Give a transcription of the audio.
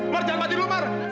mar jangan mati dulu mar